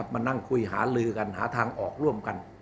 มานั่งคุยหาลือกันหาทางออกร่วมกัน